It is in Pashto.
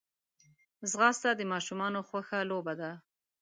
ځغاسته د ماشومانو خوښه لوبه ده